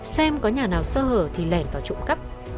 xem có nhà nào sơ hở thì lèn vào trụ cấp